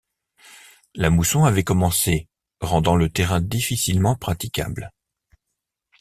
La mousson avait commencé, rendant le terrain difficilement praticable.